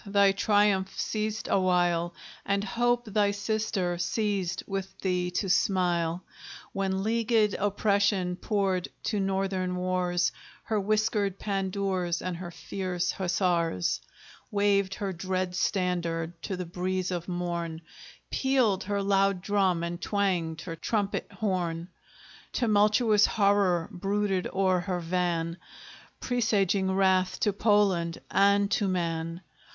thy triumph ceased a while, And Hope, thy sister, ceased with thee to smile, When leagued Oppression poured to Northern wars Her whiskered pandoors and her fierce hussars, Waved her dread standard to the breeze of morn, Pealed her loud drum, and twanged her trumpet horn; Tumultuous horror brooded o'er her van, Presaging wrath to Poland and to man!